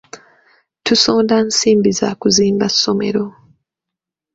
Tusonda nsimbi za kuzimba ssomero.